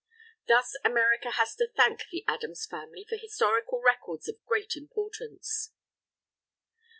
Thus America has to thank the Adams Family for historical records of great importance.